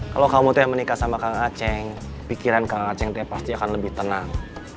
kalau kamu tuh yang menikah sama kang aceh pikiran kang aceng tuh pasti akan lebih tenang